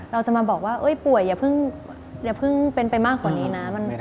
เราจะมาบอกว่าป่วยอย่าเพิ่งเป็นไปมากกว่านี้นะ